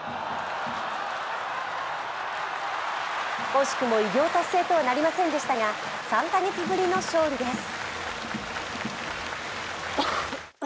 惜しくも偉業達成とはなりませんでしたが、３カ月ぶりの勝利です。